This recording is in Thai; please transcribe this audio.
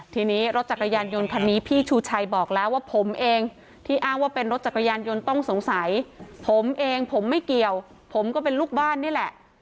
ทีนี้รถจักรยานยนต์คันนี้พี่ชูชัยบอกแล้วว่าผมเองที่อ้างว่าเป็นรถจักรยานยนต์ต้องสงสัยผมเองผมไม่เกี่ยวผมก็เป็นลูกบ้านนี่แหละ